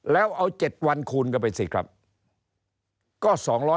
แล้วเอา๗วันคูณกันไปสิครับ